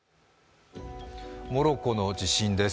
モロッコの地震です。